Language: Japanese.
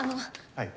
はい。